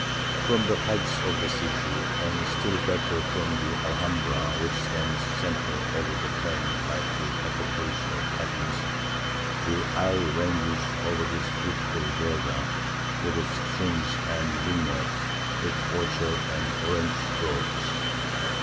From the heights of the city, and still better from the Alhambra, which stands sentinel over the plain like the Acropolis of Athens, the eye ranges over this beautiful Vega, with its streams and vineyards, its orchards and orange groves.